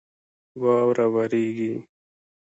واوره ورېږي